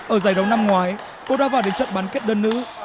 ở giải đấu năm ngoái cô đã vào đến trận bán kết đơn nữ